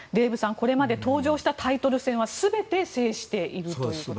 これまで登場したタイトル戦は全て制しているということです。